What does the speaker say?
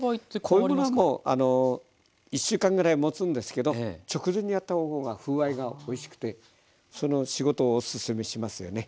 こういうものはもう１週間ぐらいもつんですけど直前にやった方が風合いがおいしくてその仕事をおすすめしますよね。